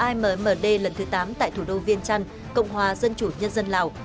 immd lần thứ tám tại thủ đô viên trăn cộng hòa dân chủ nhân dân lào